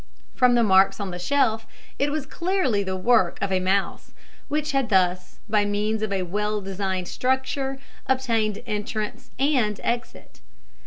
From the marks on the shelf, it was clearly the work of a mouse; which had thus, by means of a well designed structure, obtained entrance and exit.